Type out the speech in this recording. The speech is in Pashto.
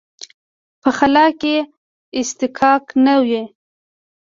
په خلا کې اصطکاک نه وي.